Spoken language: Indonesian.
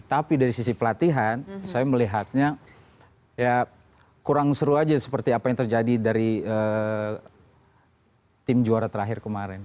tapi dari sisi pelatihan saya melihatnya ya kurang seru aja seperti apa yang terjadi dari tim juara terakhir kemarin